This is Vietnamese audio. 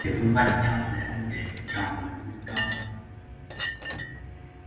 Em ham hai chữ văn nho để anh dạy học trò mà nuôi con